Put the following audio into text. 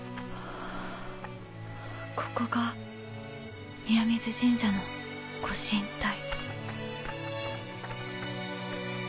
ここが宮水神社のご神体。